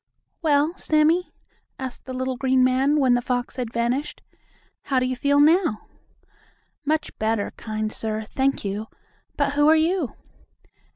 "Well, Sammie?" asked the little green man, when the fox had vanished, "How do you feel now?" "Much better, kind sir. Thank you. But who are you?"